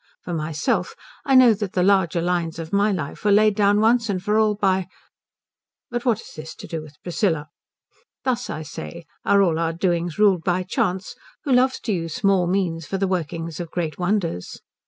For myself I know that the larger lines of my life were laid down once for all by but what has this to do with Priscilla? Thus, I say, are all our doings ruled by Chance, who loves to use small means for the working of great wonders.